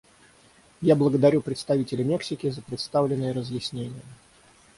Я благодарю представителя Мексики за представленные разъяснения.